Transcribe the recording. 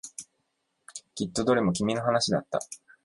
きっとどれも君の話だった。